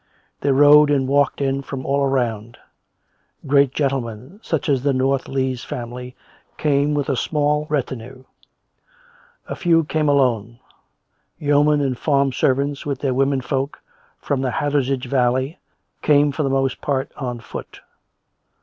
They rode and walked in from all round — great gentlemen, such as the North Lees family, came with a small retinue; a few came alone; yeomen and farm servants, with their women folk, from the Hathersage valley, came for the most part on foot.